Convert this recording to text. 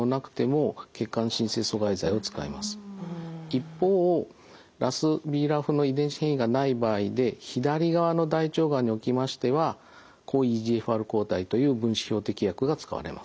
一方ＲＡＳＢＲＡＦの遺伝子変異がない場合で左側の大腸がんにおきましては抗ＥＧＦＲ抗体という分子標的薬が使われます。